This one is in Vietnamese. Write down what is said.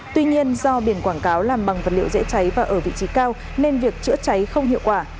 tuy nhiên do biển quảng cáo làm bằng vật liệu dễ cháy và ở vị trí cao nên việc chữa cháy không hiệu quả